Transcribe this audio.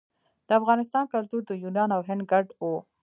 د افغانستان کلتور د یونان او هند ګډ و